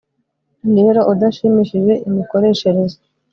Rero udashimishije imikoreshereze